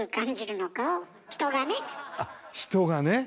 あっ人がね。